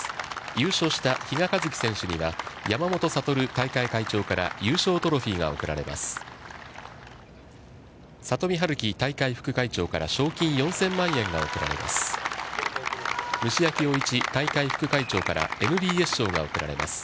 優勝した比嘉一貴選手には、山本悟大会会長から優勝トロフィーが贈られます。